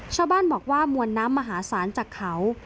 ชาวบ้านบอกว่ามวลน้ำมหาศาลจากเขา